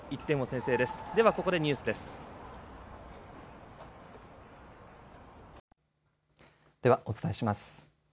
ではお伝えします。